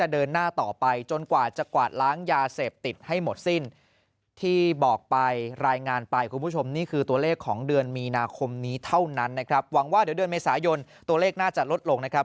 เดือนมีนาคมนี้เท่านั้นนะครับหวังว่าเดือนเมษายนตัวเลขน่าจะลดลงนะครับ